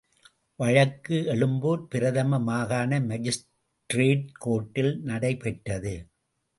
வழக்கு எழும்பூர் பிரதம மாகாண மாஜிஸ்ட்ரேட் கோர்ட்டில் நடைபெற்றது.